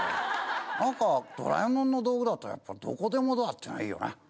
何かドラえもんの道具だとやっぱどこでもドアっていうのはいいよね。